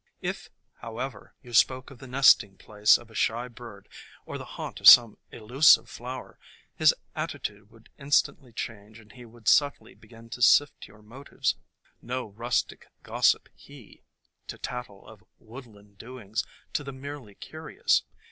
If, however, you spoke of the nesting place of a shy bird or the haunt of some elusive flower, his attitude would instantly change and he would subtly begin to sift your motives. No rustic gossip he, to tattle of woodland doings to the merely curious.